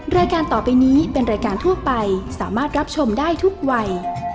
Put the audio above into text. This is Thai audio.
รายการต่อไปนี้เป็นรายการทั่วไปสามารถรับชมได้ทุกวัย